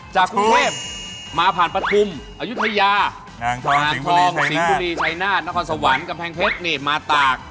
จากกรุงเทพมาผ่านปฐุมอายุทยาทองสิงห์บุรีชัยนาธนครสวรรค์กำแพงเพชรนี่มาตาก